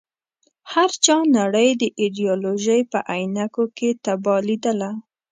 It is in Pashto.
هر چا نړۍ د ایډیالوژۍ په عينکو کې تباه ليدله.